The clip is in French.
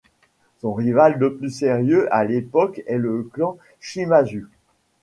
Son rival le plus sérieux à l'époque est le clan Shimazu.